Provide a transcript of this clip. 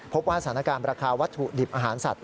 พบว่าสถานการณ์ราคาวัตถุดิบอาหารสัตว